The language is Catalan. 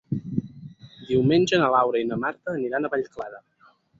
Diumenge na Laura i na Marta aniran a Vallclara.